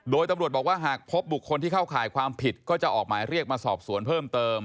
โดยตำรวจบอกว่าหากพบบุคคลที่เข้าข่ายความผิดก็จะออกหมายเรียกมาสอบสวนเพิ่มเติม